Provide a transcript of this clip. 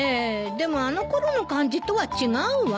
でもあの頃の感じとは違うわ。